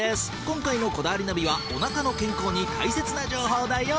今回の『こだわりナビ』はおなかの健康に大切な情報だよ。